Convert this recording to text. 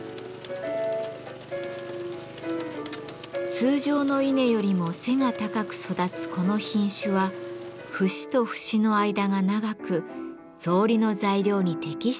通常の稲よりも背が高く育つこの品種は節と節の間が長く草履の材料に適しているのだとか。